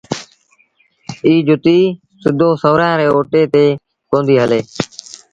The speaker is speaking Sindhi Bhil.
ائيٚݩ جُتيٚ سُڌو سُورآݩ ري اوٽي تي ڪونديٚ هلي